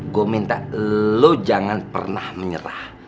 gue minta lo jangan pernah menyerah